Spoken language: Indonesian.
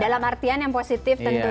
dalam artian yang positif tentunya ya